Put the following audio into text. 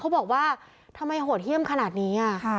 เขาบอกว่าทำไมโหดเฮี่ยมขนาดนี้อ่ะ